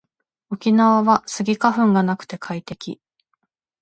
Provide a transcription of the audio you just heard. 沖縄はスギ花粉がなくて快適